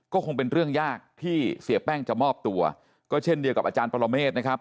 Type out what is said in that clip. ก็คงเป็นเรื่องยากที่เสียแป้งจะมอบตัวก็เช่นเดียวกับอาจารย์ปรเมฆนะครับ